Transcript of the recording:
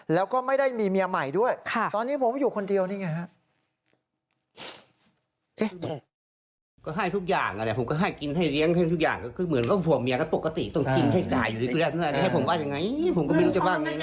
แล้วก็ไม่ได้มีเมียใหม่ด้วยตอนนี้ผมอยู่คนเดียวนี่ไงฮะ